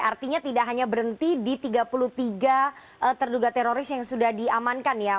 artinya tidak hanya berhenti di tiga puluh tiga terduga teroris yang sudah diamankan ya